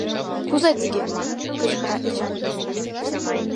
Кузе тыге! — кычкыра Эчан.